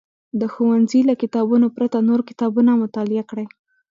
د ښوونځي له کتابونو پرته نور کتابونه مطالعه کړي.